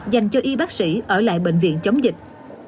dành cho y bác sĩ ở lại bệnh viện chống dịch